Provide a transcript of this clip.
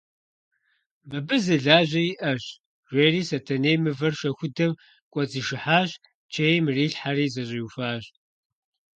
Мыбы зы лажьэ иӏэщ, – жери Сэтэней мывэр шэхудэм кӏуэцӏишыхьащ, чейм ирилъхьэри зэщӏиуфащ.